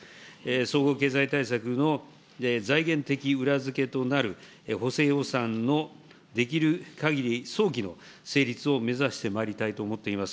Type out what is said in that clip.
総合経済対策の財源的裏付けとなる補正予算のできるかぎり早期の成立を目指してまいりたいと思っております。